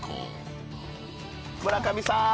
村上さん。